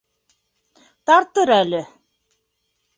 - Тартыр әле.